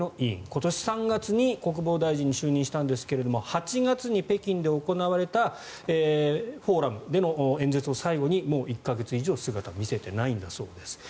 今年３月に国防大臣に就任しましたが８月に北京で行われたフォーラムでの演説を最後にもう１か月以上姿を見せていないんだそうです。